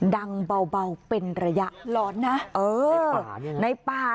ดังเบาเป็นระยะร้อนนะเออในป่า